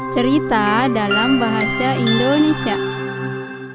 cerita dalam bahasa indonesia